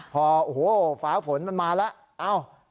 พอฝาลมฝนมันมาแล้ว